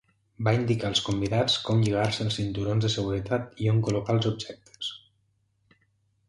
Va indicar als convidats com lligar-se els cinturons de seguretat i on col·locar els objectes.